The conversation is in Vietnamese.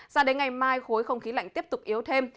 sao đến ngày mai khối không khí lạnh tiếp tục yếu thêm